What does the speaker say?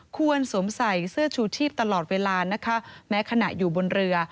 สวมใส่เสื้อชูชีพตลอดเวลานะคะแม้ขณะอยู่บนเรือ